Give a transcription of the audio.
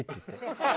ハハハハ！